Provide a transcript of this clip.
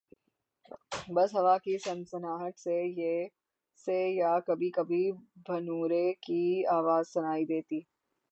بس ہوا کی سنسناہٹ ہے یا کبھی کبھی بھنورے کی آواز سنائی دیتی